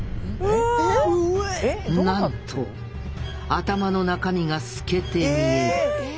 なんと頭の中身が透けて見える。